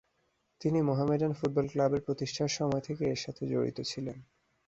তিনি মোহামেডান ফুটবল ক্লাবের প্রতিষ্ঠার সময় থেকে এর সাথে জড়িত ছিলেন।